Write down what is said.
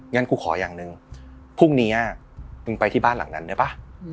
งั้นกูขออย่างหนึ่งพรุ่งนี้มึงไปที่บ้านหลังนั้นได้ป่ะ